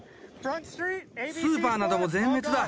スーパーなども全滅だ。